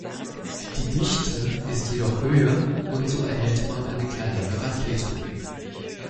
Die Dichte ist jedoch höher, und so erhält man eine kleinere Rakete.